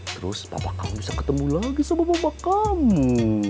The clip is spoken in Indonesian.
terus papa kamu bisa ketemu lagi sama mama kamu